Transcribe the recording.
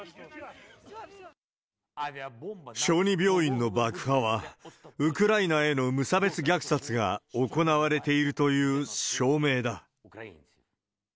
小児病院の爆破は、ウクライナへの無差別虐殺が行われているという証明だ。